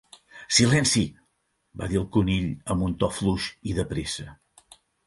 Silenci! va dir el Conill amb un to fluix i de pressa.